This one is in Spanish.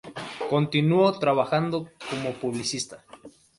Continuó trabajando como publicista.